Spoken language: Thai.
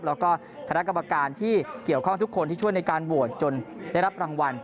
แล้วก็คณะกรรมการที่เกี่ยวข้องทุกคนที่ช่วยในการโหวตจนได้รับรางวัล